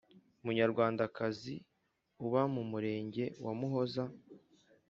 umunyarwandakazi uba mu Murenge wa Muhoza